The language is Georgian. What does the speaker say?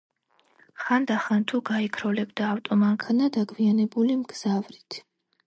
ხანდახან თუ გაიქროლებდა ავტომანქანა დაგვიანებული მგზავრით.